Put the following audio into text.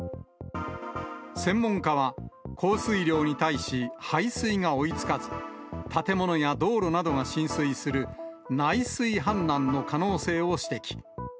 専門家は降水量に対し、排水が追いつかず、建物や道路などが浸水する内水氾濫の可能性を指摘。